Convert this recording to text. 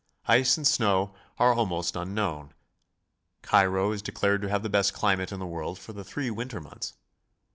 Ice and snow are almost unknown. Cairo is declared to have the best climate in the world 'for the three winter months.